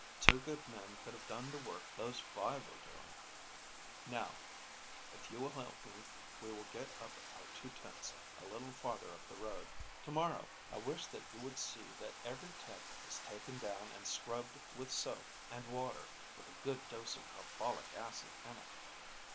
Two good men could have done the work those five were doing. Now, if you will help me, we will get up our two tents a little farther up the road. To morrow I wish that you would see that every tent is taken down and scrubbed with soap and water with a good dose of carbolic acid in it.